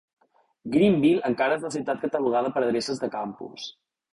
Greenville encara és la ciutat catalogada per adreces del campus.